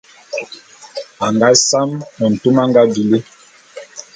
A nga same ntume a nga bili.